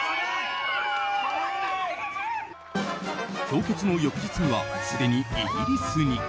評決の翌日にはすでにイギリスに。